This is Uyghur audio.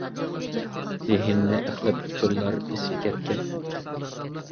زېھىننى ئەخلەت ئۇچۇرلار بېسىپ كەتكەن.